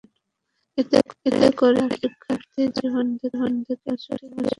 এতে করে এসব শিক্ষার্থীর জীবন থেকে একটি বছর হারিয়ে যেতে বসেছে।